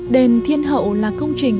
đền thiên hậu là công trình